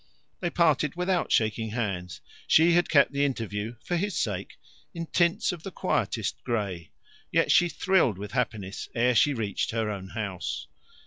They parted without shaking hands: she had kept the interview, for his sake, in tints of the quietest grey. Yet she thrilled with happiness ere she reached her own house.